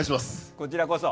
こちらこそ。